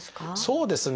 そうですね